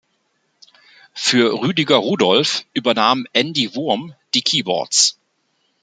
Für Rüdiger Rudolph übernahm Andy Wurm die Keyboards.